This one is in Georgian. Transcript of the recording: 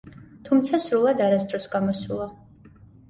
თუმცა სრულად არასდროს გამოსულა.